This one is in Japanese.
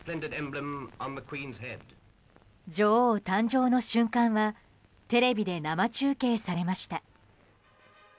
女王誕生の瞬間はテレビで生中継されました。